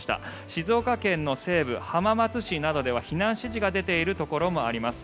静岡県の西部、浜松市などでは避難指示が出ているところもあります。